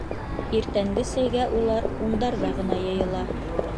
...Иртәнге сәйгә улар ундарҙа ғына йыйыла.